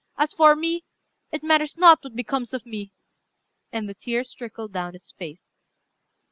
As for me, it matters not what becomes of me." And the tears trickled down his face.